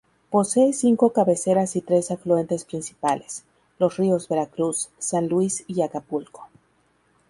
Posee cinco cabeceras y tres afluentes principales: los ríos Veracruz, San Luis y Acapulco.